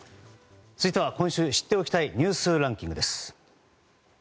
続いては今週知っておきたいニュースランキングです。